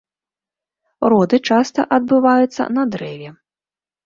Роды часта адбываюцца на дрэве.